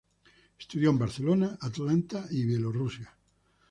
Estudió en Barcelona, Atlanta y Bielorrusia.